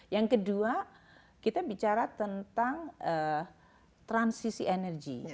yang kedua kita bicara tentang transisi energi